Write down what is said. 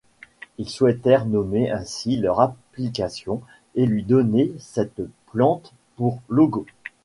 Ils souhaitèrent nommer ainsi leur application et lui donner cette plante pour logo.